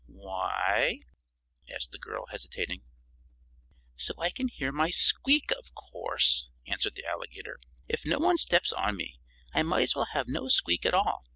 "Why?" asked the girl, hesitating. "So I can hear my squeak, of course," answered the Alligator. "If no one steps on me I might as well have no squeak at all.